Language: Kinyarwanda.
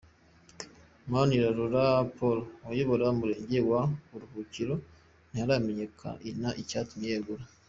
Manirarora Paul, wayobora umurenge wa Buruhukiro, ntiharamenyeka icyatumye yegura.